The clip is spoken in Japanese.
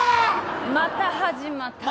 また始まったよ。